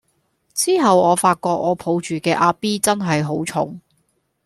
之後先發覺我抱住嘅阿 B 真係好重